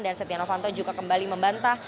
dan setia novanto juga kembali membantah